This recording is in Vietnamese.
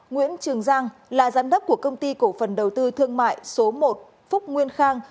nguyễn trường giang là giám đốc của công ty cổ phần đầu tư thương mại số một phúc nguyên khang